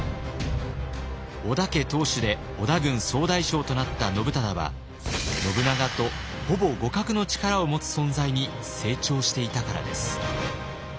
織田家当主で織田軍総大将となった信忠は信長とほぼ互角の力を持つ存在に成長していたからです。